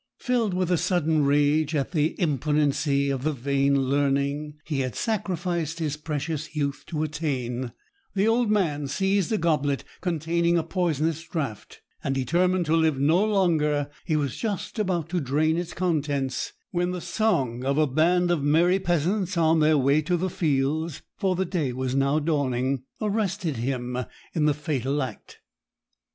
Filled with sudden rage at the impotency of the vain learning he had sacrificed his precious youth to attain, the old man seized a goblet containing a poisonous draught, and, determined to live no longer, he was just about to drain its contents, when the song of a band of merry peasants on their way to the fields for the day was now dawning arrested him in the fatal act.